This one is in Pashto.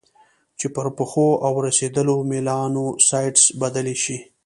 چې پر پخو او رسېدلو میلانوسایټس بدلې شي.